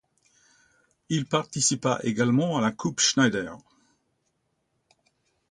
Il participa également à la Coupe Schneider.